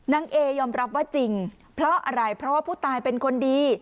เอยอมรับว่าจริงเพราะอะไรเพราะว่าผู้ตายเป็นคนดี